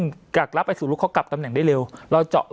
แต่กัดลับไปเขากลับธรรมแหล่งได้เร็วแล้วเจาะ